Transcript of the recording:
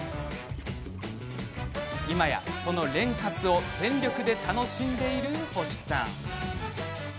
今や、レン活を全力で楽しんでいる星さん。